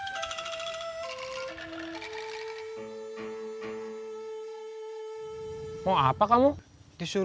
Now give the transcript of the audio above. jangan kuat blessed